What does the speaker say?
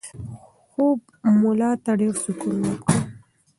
خوب ملا ته ډېر سکون ورکړ.